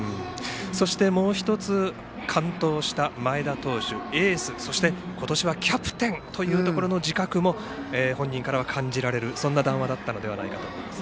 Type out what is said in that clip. そしてもうひとつ完投した前田投手エース、そして今年はキャプテンというところの自覚も本人からは感じられる談話だったのではないかと思います。